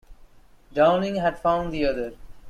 Downing had found the other.